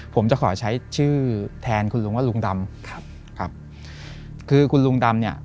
ผมจะขอใช้ชื่อแทนคุณลุงว่าลุงดำครับครับคือคุณลุงดำเนี่ย